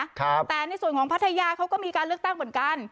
แต่ในส่วนของพัทยาเขาก็มีการเลือกตั้งเหมือนกัน